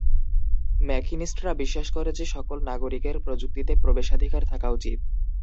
ম্যাকিনিস্টরা বিশ্বাস করে যে সকল নাগরিকের প্রযুক্তিতে প্রবেশাধিকার থাকা উচিত।